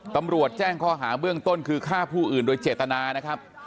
ตำรวจแจ้งข้อหาเบื้องต้นคือฆ่าผู้อื่นโดยเจตนานะครับ